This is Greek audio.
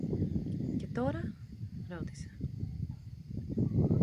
Και τώρα; ρώτησε.